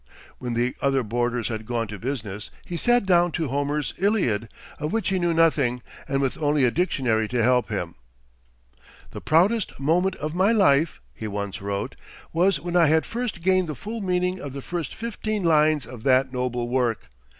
When the other boarders had gone to business, he sat down to Homer's Iliad, of which he knew nothing, and with only a dictionary to help him. "The proudest moment of my life," he once wrote, "was when I had first gained the full meaning of the first fifteen lines of that noble work.